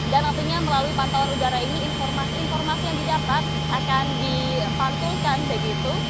dan tentunya melalui pantauan udara ini informasi informasi yang didapat akan dipantulkan begitu